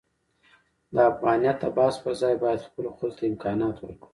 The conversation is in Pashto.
د افغانیت د بحث پرځای باید خپلو خلکو ته امکانات ورکړو.